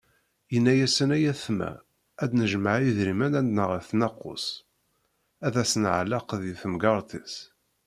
Yenna-asen: "Ay ayetma, ad d-nejmeε idrimen, ad d-naɣet naqqus, ad as-t-nεelleq di temgerḍt-is."